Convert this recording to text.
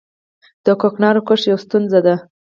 د کوکنارو کښت یوه ستونزه ده